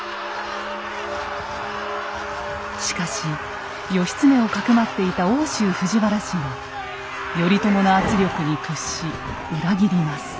しかし義経をかくまっていた奥州藤原氏が頼朝の圧力に屈し裏切ります。